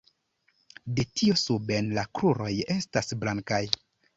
De tio suben la kruroj estas blankaj.